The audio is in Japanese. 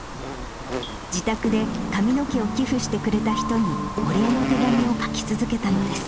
自宅で髪の毛を寄付してくれた人にお礼の手紙を書き続けたのです。